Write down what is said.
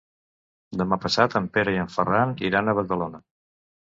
Demà passat en Pere i en Ferran iran a Badalona.